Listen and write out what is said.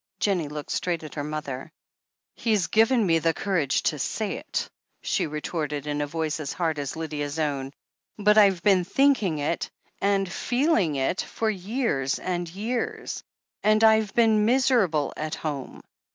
Jennie looked straight at her mother. "He's given me the courage to say it," she retorted in a voice as hard as Lydia's own, "but Tve been thinking it, and feeling it, for years and years. And I've been miserable at home."